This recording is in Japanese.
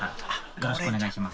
よろしくお願いします。